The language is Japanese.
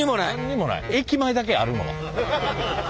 駅前だけあるのは。